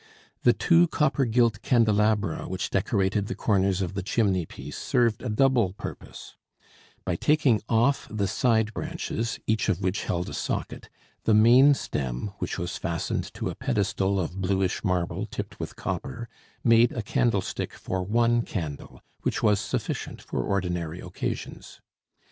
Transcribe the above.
The two copper gilt candelabra which decorated the corners of the chimney piece served a double purpose: by taking off the side branches, each of which held a socket, the main stem which was fastened to a pedestal of bluish marble tipped with copper made a candlestick for one candle, which was sufficient for ordinary occasions.